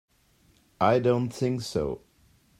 I don't think so.